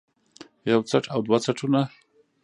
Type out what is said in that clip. يو څټ او دوه څټونه